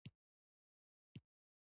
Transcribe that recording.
د تفریح ځایونه د خلکو د خوښۍ لپاره دي.